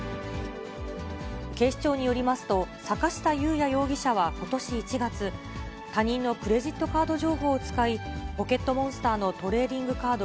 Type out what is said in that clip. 警視庁によりますと、坂下裕也容疑者はことし１月、他人のクレジットカード情報を使い、ポケットモンスターのトレーディングカード